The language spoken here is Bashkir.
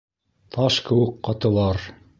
Таш кеүек ҡатылар.